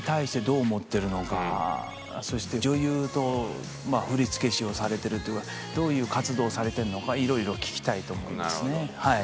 やはりそして女優と振付師をされてるというどういう活動されてるのかいろいろ聞きたいと思いますね。